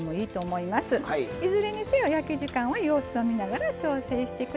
いずれにせよ焼き時間は様子を見ながら調整してください。